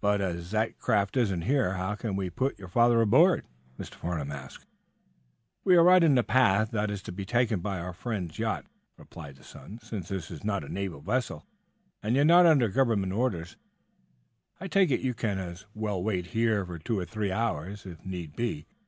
"But as that craft isn't here, how can we put your father aboard?" Mr. Farnum asked. "We are right in the path that is to be taken by our friends' yacht," replied the son. "Since this is not a naval vessel, and you are not under Government orders, I take it you can as well wait here for two or three hours, if need be.